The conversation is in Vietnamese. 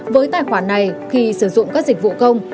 với tài khoản này khi sử dụng các dịch vụ công